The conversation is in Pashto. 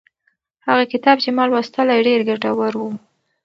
هغه کتاب چې ما لوستلی ډېر ګټور و.